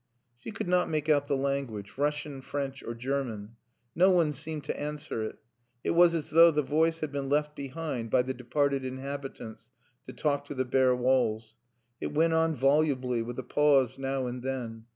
She could not make out the language Russian, French, or German. No one seemed to answer it. It was as though the voice had been left behind by the departed inhabitants to talk to the bare walls. It went on volubly, with a pause now and then.